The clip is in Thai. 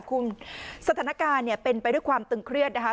คุณสถานการณ์เป็นไปด้วยความตึงเครียดนะคะ